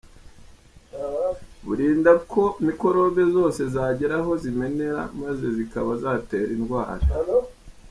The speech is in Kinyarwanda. Burinda ko mikorobe zose zagira aho zimenera, maze zikaba zatera indwara.